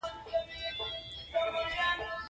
دوی به ویل چې مجاهدونو د ذوالفقار حکمتیار دی.